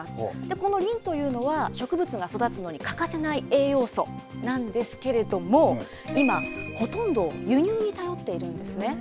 このリンというのは、植物が育つのに欠かせない栄養素なんですけども、今、ほとんど輸入に頼っているんですね。